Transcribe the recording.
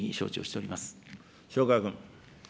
塩川君。